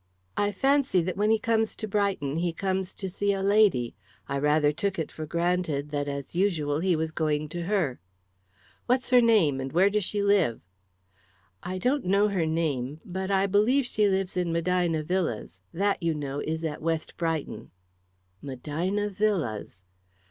"I fancy that when he comes to Brighton he comes to see a lady. I rather took it for granted that, as usual, he was going to her." "What's her name; and where does she live?" "I don't know her name; but I believe she lives in Medina Villas that, you know, is at West Brighton." "Medina Villas?"